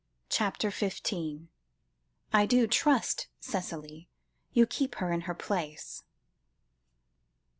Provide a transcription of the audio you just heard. CHAPTER XV. "I DO TRUST, CICELY, YOU KEEP HER IN HER PLACE."